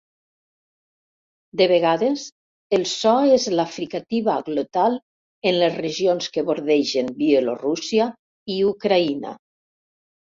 De vegades, el so és la fricativa glotal en les regions que bordegen Bielorússia i Ucraïna.